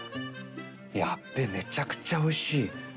ヤッベめちゃくちゃおいしい。